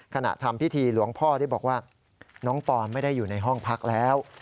ทำพิธีหลวงพ่อได้บอกว่าน้องปอนไม่ได้อยู่ในห้องพักแล้ว